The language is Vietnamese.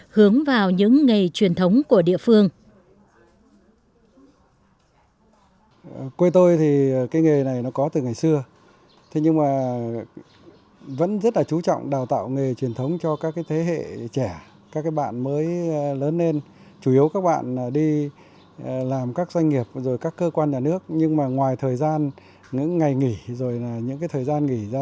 hướng vào những nghề truyền thống của địa phương